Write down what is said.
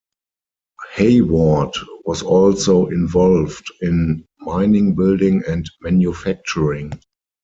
Hayward was also involved in mining, building and manufacturing.